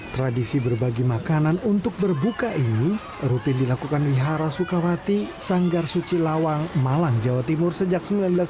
tradisi berbagi makanan untuk berbuka ini rutin dilakukan wihara sukawati sanggar suci lawang malang jawa timur sejak seribu sembilan ratus sembilan puluh